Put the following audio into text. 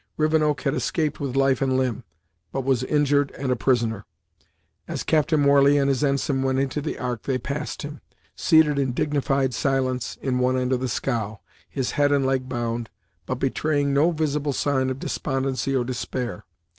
Rivenoak had escaped with life and limb, but was injured and a prisoner. As Captain Warley and his ensign went into the Ark they passed him, seated in dignified silence in one end of the scow, his head and leg bound, but betraying no visible sign of despondency or despair.